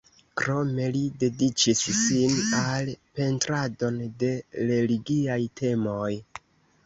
Krome li dediĉis sin al pentrado de religiaj temoj.